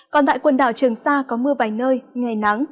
còn tại quần đảo trường sa có mưa vài nơi ngày nắng